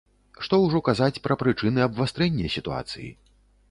Што ўжо казаць пра прычыны абвастрэння сітуацыі?